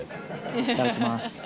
いただきます。